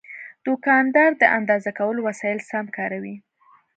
دوکاندار د اندازه کولو وسایل سم کاروي.